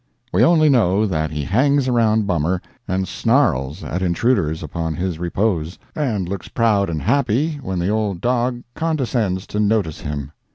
We only know that he hangs around Bummer, and snarls at intruders upon his repose, and looks proud and happy when the old dog condescends to notice him.